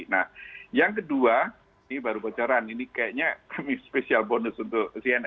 nah yang kedua ini baru bocoran ini kayaknya kami spesial bonus untuk cnn indonesia